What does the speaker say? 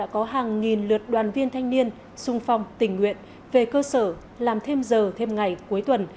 có hàng nghìn lượt đoàn viên thanh niên sung phong tình nguyện về cơ sở làm thêm giờ thêm ngày cuối tuần